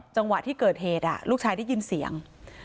จังหวะที่เกิดเหตุลูกชายได้ยินเสียง